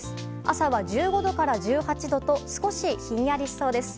朝は１５度から１８度と少しひんやりしそうです。